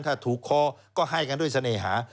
ถ้าถูกคอก็ให้กันด้วยเสน่หา